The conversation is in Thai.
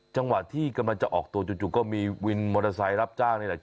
จังหวะที่กำลังจะออกตัวจู่ก็มีวินมอเตอร์ไซค์รับจ้างนี่แหละ